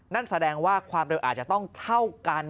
นั่นแสดงว่าความเร็วอาจจะต้องเท่ากัน